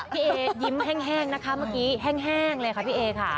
เอยิ้มแห้งนะคะเมื่อกี้แห้งเลยค่ะพี่เอค่ะ